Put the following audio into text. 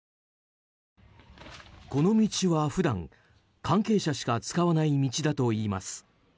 この道は普段、関係者しか使わない道だといいます。